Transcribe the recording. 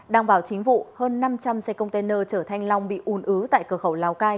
đăng bảo chính vụ hơn năm trăm linh xe container chở thanh long bị ùn ứ tại cửa khẩu lào cai